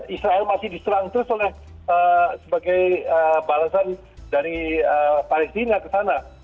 israel masih diserang terus sebagai balasan dari palestina kesana